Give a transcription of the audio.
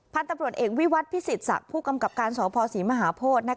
พันธ์ตำรวจเอกวิวัติพิศิษฐ์ผู้กำกับการสภศรีมหาโพธิ์